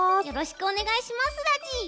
よろしくお願いしますラジ！